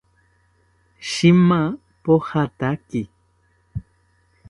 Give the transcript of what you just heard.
Shima pojataki